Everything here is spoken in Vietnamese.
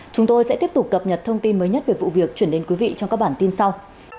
chúng tôi sẽ tiếp tục cập nhật thông tin mới nhất về vụ việc chuyển đến quý vị trong các bản tin sau